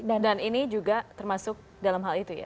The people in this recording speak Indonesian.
dan ini juga termasuk dalam hal itu ya